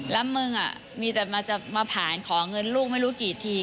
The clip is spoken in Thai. แล้วมึงมีแต่จะมาผ่านของไม่รู้กี่ที